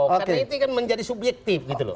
karena itu kan menjadi subjektif gitu loh